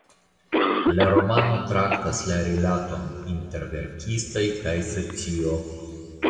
La romano traktas la rilaton inter verkistoj kaj socio.